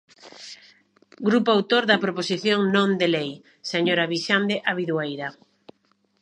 Grupo autor da proposición non de lei, señora Vixande Abidueira.